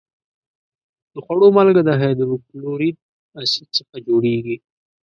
د خوړو مالګه د هایدروکلوریک اسید څخه جوړیږي.